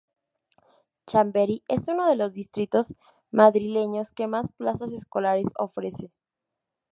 Chamberí es uno de los distritos madrileños que más plazas escolares ofrece.